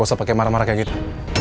gak usah pakai marah marah kayak gitu